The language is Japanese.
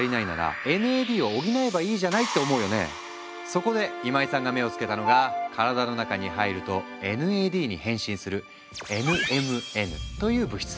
じゃあそこで今井さんが目を付けたのが体の中に入るとＮＡＤに変身するＮＭＮという物質。